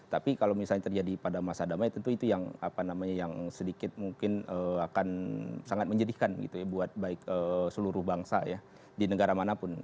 tapi kalau misalnya terjadi pada masa damai tentu itu yang sedikit mungkin akan sangat menyedihkan buat seluruh bangsa di negara manapun